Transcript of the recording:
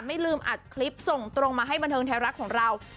ไม่ลืมอัดคลิปส่งตรงมาให้บันเทิงไทยรัฐของเรา